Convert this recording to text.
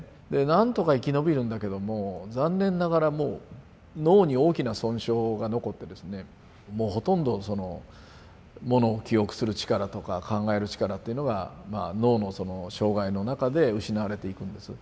何とか生き延びるんだけども残念ながらもう脳に大きな損傷が残ってですねもうほとんどものを記憶する力とか考える力っていうのが脳のその障害の中で失われていくんです。